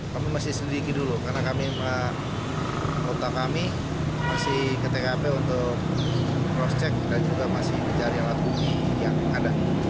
kami masih sedikit dulu karena kami anggota kami masih ke tkp untuk cross check dan juga masih mencari alat bukti yang ada